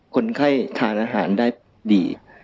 คนไข้ทานอาหารได้ดี